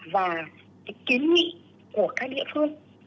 và kiến nghị của các địa phương